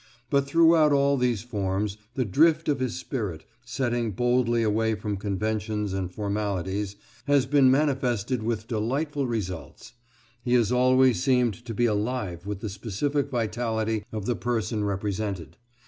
But, throughout all these forms, the drift of his spirit, setting boldly away from conventions and formalities, has been manifested with delightful results. He has always seemed to be alive with the specific vitality of the person represented.